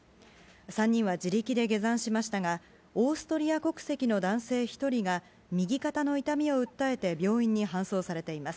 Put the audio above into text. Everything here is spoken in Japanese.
３人は自力で下山しましたが、オーストリア国籍の男性１人が、右肩の痛みを訴えて、病院に搬送されています。